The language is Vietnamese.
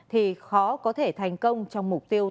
thì khó có thể thành công trong mục tiêu